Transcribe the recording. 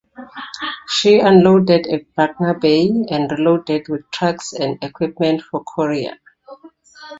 She unloaded at Buckner Bay and reloaded with trucks and equipment for Korea.